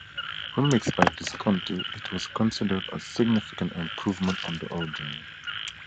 Remixed by Visconti, it was considered a significant improvement on the original.